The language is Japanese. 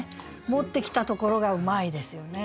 持ってきたところがうまいですよね。